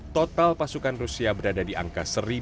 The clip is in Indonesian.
total pasukan rusia berada di atas ukraina